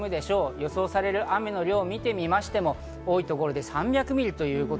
予想される雨の量を見てみましても、多い所で３００ミリ。